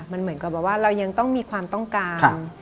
มันเหมือนกับว่าเรายังต้องมีความต้องการ